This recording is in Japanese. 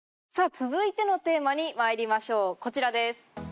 続いてのテーマにまいりましょうこちらです。